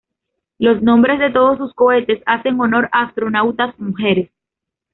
Los nombres de todos sus cohetes hacen honor a astronautas mujeres.